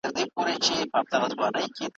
ولي لېواله انسان د لایق کس په پرتله بریا خپلوي؟